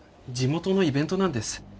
地元のイベントなんです。